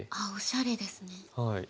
ああおしゃれですね。